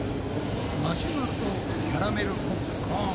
マシュマロとキャラメルポップコーン